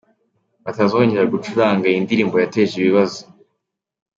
batazongera gucuranga iyi ndirimbo yateje ikibazo.